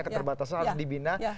keterbatasan harus dibina